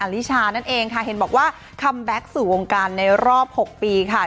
อลิชานั่นเองค้าเห็นบอกว่าคำแบลค์สู่องค์การในรอบ๖ปีขาต